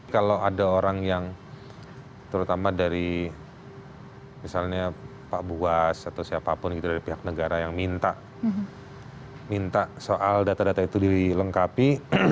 kalau ada orang yang terutama dari misalnya pak buas atau siapapun gitu dari pihak negara yang minta soal data data itu dilengkapi